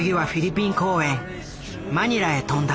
マニラへ飛んだ。